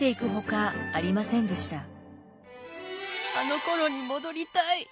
あのころに戻りたい。